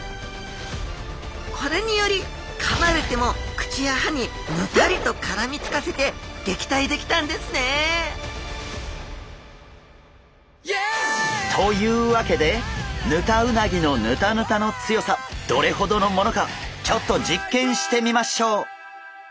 これによりかまれても口や歯にヌタリとからみつかせてげきたいできたんですねというわけでヌタウナギのヌタヌタの強さどれほどのものかちょっと実験してみましょう！